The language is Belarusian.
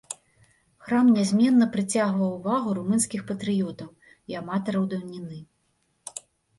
Храм нязменна прыцягваў увагу румынскіх патрыётаў і аматараў даўніны.